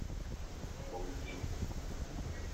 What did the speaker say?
Moudrý.